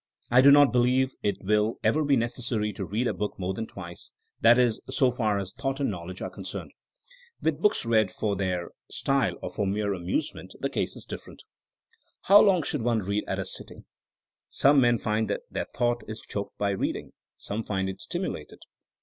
I do not believe it will ever be necessary to read a book more than twice, that is, so far as thought and knowledge are concerned. With ' books read for their THINKIKO AS A SCIENCE 183 style or for mere anmsement the case is differ ent. How long should one read at a sitting 1 Some men find that their thought is choked by read ing. Some find it stimulated.